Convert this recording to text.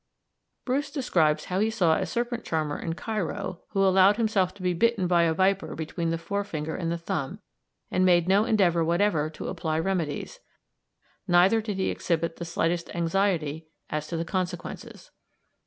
Bruce describes how he saw a serpent charmer in Cairo who allowed himself to be bitten by a viper between the forefinger and the thumb, and made no endeavour whatever to apply remedies, neither did he exhibit the slightest anxiety as to the consequences.